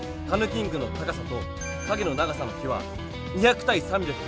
キングの高さと影の長さの比は２００対３５０。